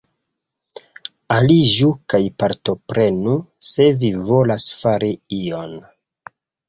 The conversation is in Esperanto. Aliĝu kaj partoprenu, se vi volas fari ion.